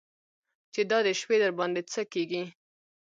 چې دا د شپې درباندې څه کېږي.